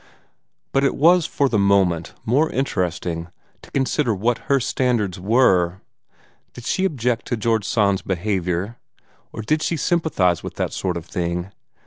But it was for the moment more interesting to wonder what her standards were. Did she object to George Sand's behavior? Or did she sympathize with that sort of thing?